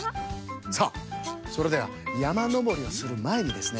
さあそれではやまのぼりをするまえにですね